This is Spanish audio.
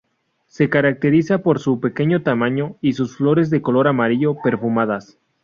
Se caracteriza por su pequeño tamaño y sus flores de color amarillo, perfumadas.